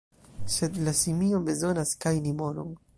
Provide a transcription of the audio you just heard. Sed la simio bezonas gajni monon.